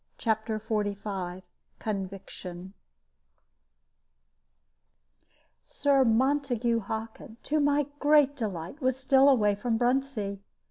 CHAPTER XLV CONVICTION Sir Montague Hockin, to my great delight, was still away from Bruntsea.